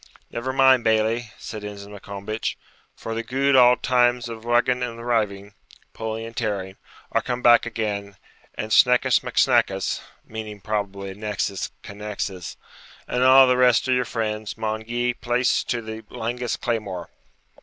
'Never mind, Bailie,' said Ensign Maccombich, 'for the gude auld times of rugging and riving (pulling and tearing) are come back again, an' Sneckus Mac Snackus (meaning, probably, annexis, connexis), and a' the rest of your friends, maun gie place to the langest claymore.'